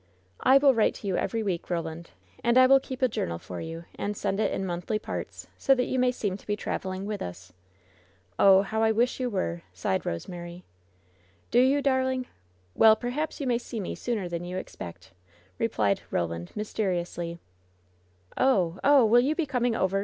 "I will write to you every week, Roland. And I will keep a journal for you, and send it in monthly parts^ so that you may seem to be traveling with us ! Oh, how I wish you were !" sighed Rosemary. "Do you, darling? Well, perhaps you may see me sooner than you expect," replied Roland, mysteriously. "Oh ! oh ! will you be coming over